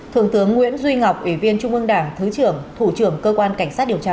thượng tướng nguyễn duy ngọc ủy viên trung ương đảng thứ trưởng thủ trưởng cơ quan cảnh sát điều tra